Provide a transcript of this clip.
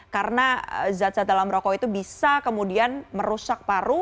karena zat zat dalam rokok itu bisa kemudian merusak paru